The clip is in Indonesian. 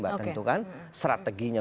tentu kan strateginya